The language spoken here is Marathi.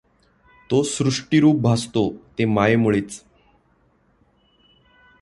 तो सृष्टिरूप भासतो ते मायेमुळेच.